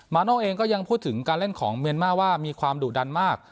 โน่เองก็ยังพูดถึงการเล่นของเมียนมาร์ว่ามีความดุดันมาก